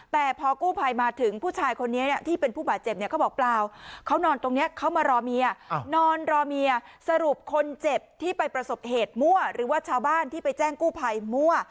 แต่พอกู้ภัยมาถึงผู้ชายคนนี้ที่เป็นผู้บาดเจ็บเนี่ยเขาบอกเปล่าเขานอนตรงนี้เขามารอเมียนอนรอเมียสรุปคนเจ็บที่ไปประสบเหตุมั่วหรือว่าชาวบ้านที่ไปแจ้งกู้ภัยมั่ว